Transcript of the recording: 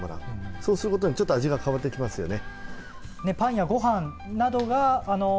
そうすることでちょっと味が変わってきますよね。